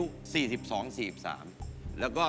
เกิดวันเสาร์ครับ